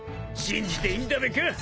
［信じていいんだべか？